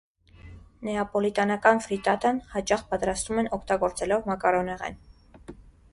Նեապոլիտանական ֆրիտատան հաճախ պատրաստում են օգտագործելով մակարոնեղեն։